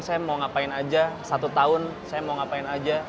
saya mau ngapain aja satu tahun saya mau ngapain aja